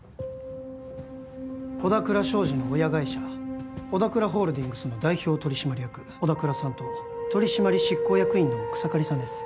小田倉商事の親会社小田倉ホールディングスの代表取締役小田倉さんと取締執行役員の草刈さんです